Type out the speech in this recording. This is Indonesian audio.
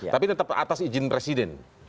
tapi tetap atas izin presiden